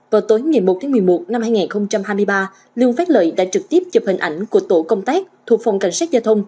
vào tối ngày một tháng một mươi một năm hai nghìn hai mươi ba lương phát lợi đã trực tiếp chụp hình ảnh của tổ công tác thuộc phòng cảnh sát giao thông